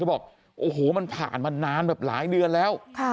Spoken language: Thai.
บอกโอ้โหมันผ่านมานานแบบหลายเดือนแล้ว